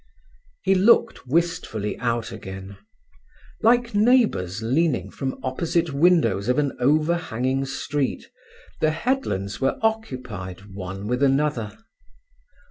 He looked wistfully out again. Like neighbours leaning from opposite windows of an overhanging street, the headlands were occupied one with another.